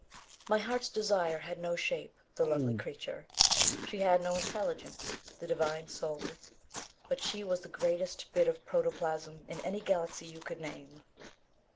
My heart's desire had no shape, the lovely creature. She had no intelligence, the divine soul. But she was the greatest bit of protoplasm in any galaxy you could name.